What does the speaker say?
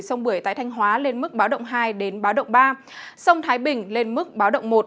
sông bưởi tại thanh hóa lên mức báo động hai đến báo động ba sông thái bình lên mức báo động một